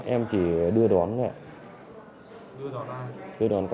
em chỉ đưa đón các bạn làm cho vợ em đến mang thai